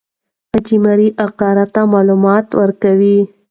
حاجي مریم اکا راته معلومات ورکوي.